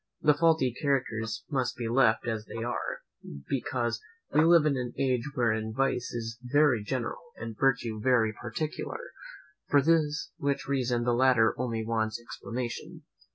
The faulty characters must be left as they are, because we live in an age wherein vice is very general, and virtue very particular; for which reason the latter only wants explanation.